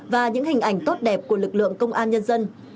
và những hình ảnh tốt đẹp của lực lượng công an nhân dân